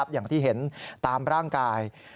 อย่างที่เห็นตามร่างกาย